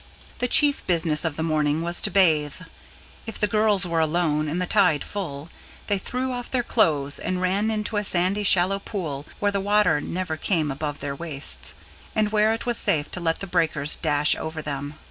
The chief business of the morning was to bathe. If the girls were alone and the tide full, they threw off their clothes and ran into a sandy, shallow pool, where the water never came above their waists, and where it was safe to let the breakers dash over them.